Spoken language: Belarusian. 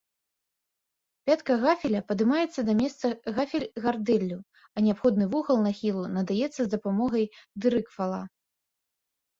Пятка гафеля падымаецца да месца гафель-гардэллю, а неабходны вугал нахілу надаецца з дапамогай дырык-фала.